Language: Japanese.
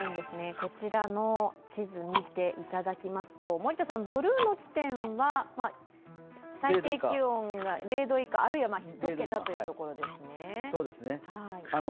こちらの地図を見ていただきますとブルーの地点は最低気温が０度以下、あるいは１桁という所ですね。